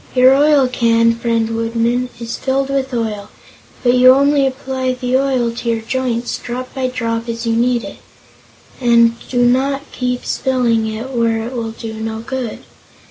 Your oil can, friend Woodman, is filled with oil, but you only apply the oil to your joints, drop by drop, as you need it, and do not keep spilling it where it will do no good.